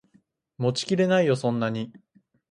持ちきれないよそんなに